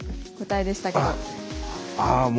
ああもう。